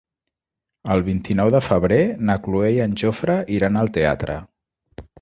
El vint-i-nou de febrer na Cloè i en Jofre iran al teatre.